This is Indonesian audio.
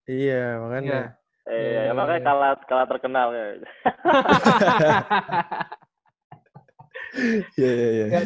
iya makanya kalah terkenal